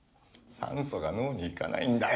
酸素が脳に行かないんだよ！